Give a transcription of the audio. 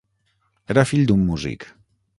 Era fill d'un músic.